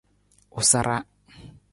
U sara.